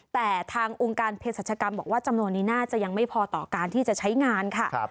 แต่ทางองค์การเพศรัชกรรมบอกว่าจำนวนนี้น่าจะยังไม่พอต่อการที่จะใช้งานค่ะ